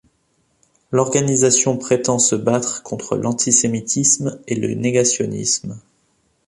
L'organisation prétend se battre contre l'antisémitisme et le négationnisme.